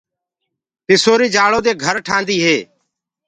مڪڙيٚ ڃآرو دي گھر تيآر ڪردي هي۔